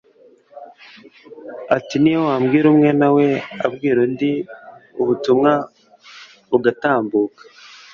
ati “Niyo wabwira umwe nawe abwira undi ubutumwa bugatambuka